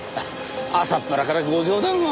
朝っぱらからご冗談を。